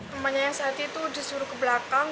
temannya yang saat itu disuruh ke belakang